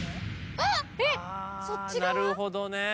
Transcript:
あなるほどね。